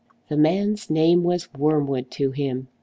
The man's name was wormwood to him.